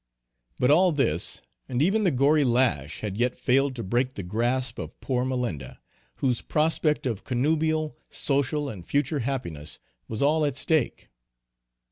But all this, and even the gory lash had yet failed to break the grasp of poor Malinda, whose prospect of connubial, social, and future happiness was all at stake.